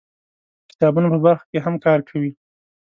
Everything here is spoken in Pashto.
د کتابونو په برخه کې هم کار کوي.